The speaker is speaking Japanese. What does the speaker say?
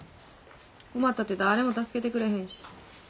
困ったってだれも助けてくれへんし。